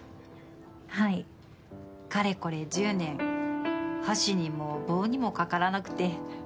かれこれ１０年箸にも棒にもかからなくて。